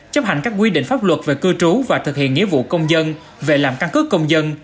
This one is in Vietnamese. chấp hành các quy định pháp luật về cư trú và thực hiện nghĩa vụ công dân về làm căn cứ công dân